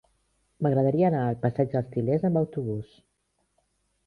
M'agradaria anar al passeig dels Til·lers amb autobús.